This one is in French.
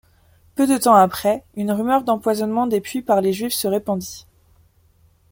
Peu de temps après, une rumeur d'empoisonnement des puits par les Juifs se répandit.